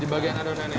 di bagian adonannya